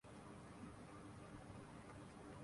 ہوا میں carbon dioxide خارج کررہے ہوتے ہیں